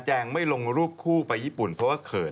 งไม่ลงรูปคู่ไปญี่ปุ่นเพราะว่าเขิน